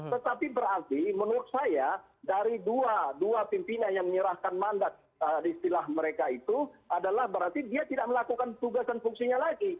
tetapi berarti menurut saya dari dua pimpinan yang menyerahkan mandat istilah mereka itu adalah berarti dia tidak melakukan tugas dan fungsinya lagi